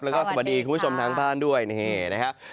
แล้วก็สวัสดีคุณผู้ชมทางบ้านด้วยนี่นะครับ